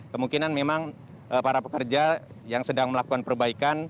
kemungkinan memang para pekerja yang sedang melakukan perbaikan